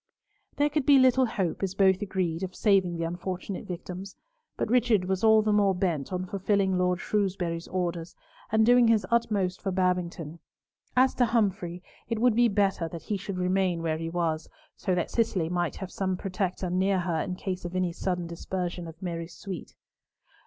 There could be little hope, as both agreed, of saving the unfortunate victims; but Richard was all the more bent on fulfilling Lord Shrewsbury's orders, and doing his utmost for Babington. As to Humfrey, it would be better that he should remain where he was, so that Cicely might have some protector near her in case of any sudden dispersion of Mary's suite.